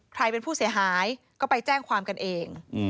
ใครเป็นผู้เสียหายก็ไปแจ้งความกันเอง